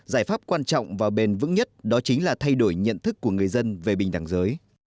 giải pháp quan trọng và bền vững nhất đó chính là thay đổi nhận thức của người dân về bình đẳng giới